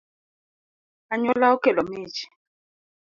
Anyuola okelo mich